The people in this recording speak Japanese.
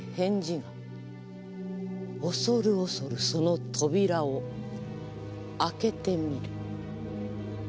恐る恐るその扉を開けてみる。